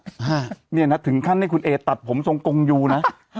ฮะเนี่ยนะถึงขั้นให้คุณเอตัดผมทรงกงอยู่นะ